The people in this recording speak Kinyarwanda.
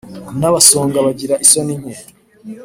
N'abansonga bagira isoni nke.